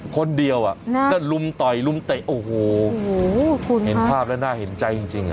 คนเดียวอ่ะก็ลุมต่อยลุมเตะโอ้โหคุณเห็นภาพแล้วน่าเห็นใจจริง